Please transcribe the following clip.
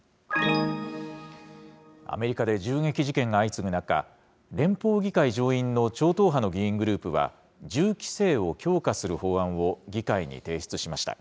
アメリカで銃撃事件が相次ぐ中、連邦議会上院の超党派の議員グループは、銃規制を強化する法案を議会に提出しました。